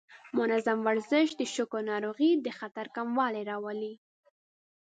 منظم ورزش د شکر ناروغۍ د خطر کموالی راولي.